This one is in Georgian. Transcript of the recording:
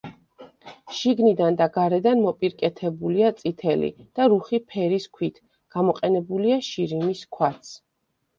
შიგნიდან და გარედან მოპირკეთებულია წითელი და რუხი ფერის ქვით, გამოყენებულია შირიმის ქვაც.